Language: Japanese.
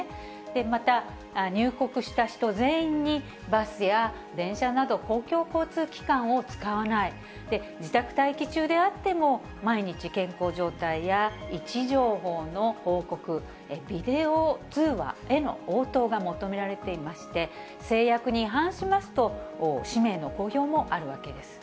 また、入国した人全員に、バスや電車など、公共交通機関を使わない、自宅待機中であっても、毎日健康状態や位置情報の報告、ビデオ通話への応答が求められていまして、誓約に違反しますと、氏名の公表もあるわけです。